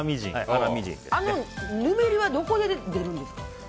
あのぬめりはどこで出るんですか？